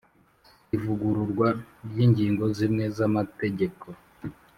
ivugururwa ry ingingo zimwe z amategeko